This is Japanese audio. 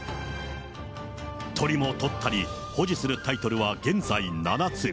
取りも取ったり、保持するタイトルは現在７つ。